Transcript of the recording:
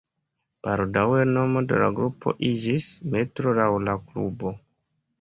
Baldaŭe nomo de la grupo iĝis Metro laŭ la klubo.